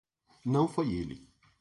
Não foi ele